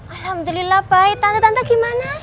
alhamdulillah baik tante tante gimana